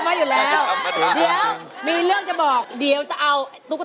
ตัวละเฉียบ๓หมื่นอ่ะเดี๋ยวเอามาให้